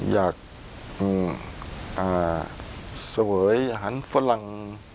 อยากเสวยอาหารฝรั่ง